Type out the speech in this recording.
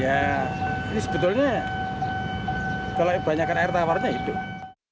ya ini sebetulnya kalau kebanyakan air tawarnya hidup